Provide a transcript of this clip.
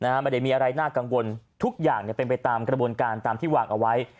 ไม่ได้มีอะไรน่ากังวลทุกอย่างเป็นไปตามกระบวนการตามที่วางเอาไว้